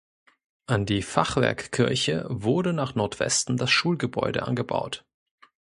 An die Fachwerkkirche wurde nach Nordwesten das Schulgebäude angebaut.